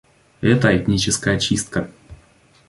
Это — этническая чистка.